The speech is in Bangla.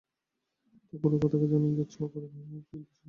তখন রুপা তাঁকে জানান যে ছোঁয়া পরিবহনে ময়মনসিংহের উদ্দেশে রওনা হয়েছেন তিনি।